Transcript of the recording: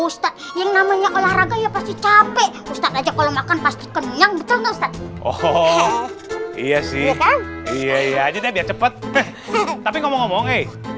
siap siap siapa yang tahu bahasa arabnya pagi